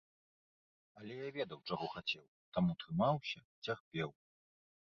Але я ведаў, чаго хацеў, таму трымаўся, цярпеў.